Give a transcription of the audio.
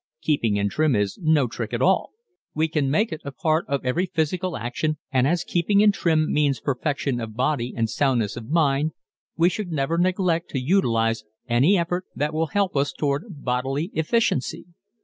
Keeping in trim is no trick at all. We can make it a part of every physical action and as keeping in trim means perfection of body and soundness of mind we should never neglect to utilize any effort that will help us toward bodily efficiency.